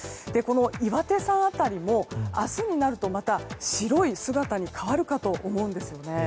岩手山辺りも明日になるとまた白い姿に変わるかと思います。